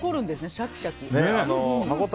シャキシャキ。